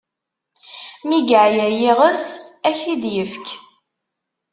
Mi yeɛra yiɣes, ad ak-t-id-yefk.